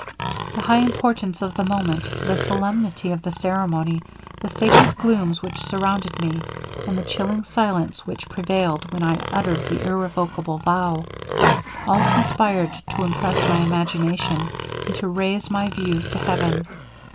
'The high importance of the moment, the solemnity of the ceremony, the sacred glooms which surrounded me, and the chilling silence that prevailed when I uttered the irrevocable vow all conspired to impress my imagination, and to raise my views to heaven.